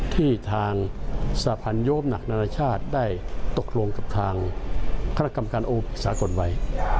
ที่ทางสาพันธ์โยมหนักนานาชาติได้ตกลงกับทางฆาตกรรมการโอสากลไว้